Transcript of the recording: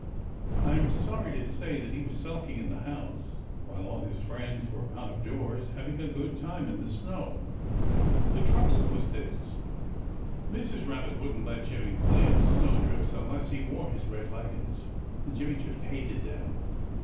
I am sorry to say that he was sulking in the house, while all his friends were out of doors, having a good time in the snow. The trouble was this: Mrs. Rabbit wouldn't let Jimmy play in the snowdrifts unless he wore his red leggins. And Jimmy just hated them.